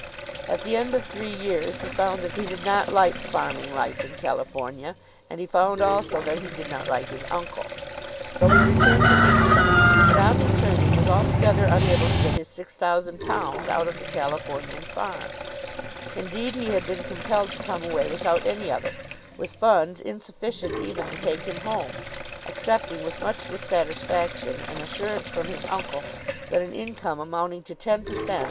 At the end of three years he found that he did not like farming life in California, and he found also that he did not like his uncle. So he returned to England, but on returning was altogether unable to get his £6,000 out of the Californian farm. Indeed he had been compelled to come away without any of it, with funds insufficient even to take him home, accepting with much dissatisfaction an assurance from his uncle that an income amounting to ten per cent.